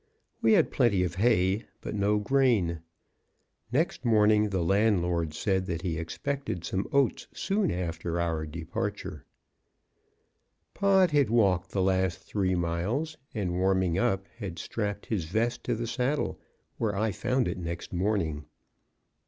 We had plenty of hay but no grain. Next morning the landlord said that he expected some oats soon after our departure. Pod had walked the last three miles, and warming up, had strapped his vest to the saddle, where I found it next morning.